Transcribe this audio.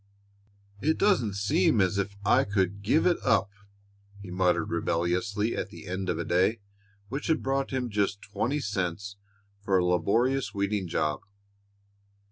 "It doesn't seem as if I could give it up!" he muttered rebelliously at the end of a day which had brought him just twenty cents for a laborious weeding job.